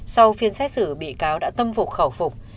sau phiên xét xử bị cáo đã tâm phục khẩu phục